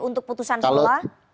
untuk putusan semua